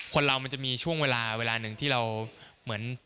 คนเรามันจะมีช่วงเวลาเวลาหนึ่งที่เราเหมือน